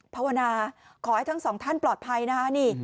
ภาวนาขอให้ทั้งสองท่านปลอดภัยนะคะนี่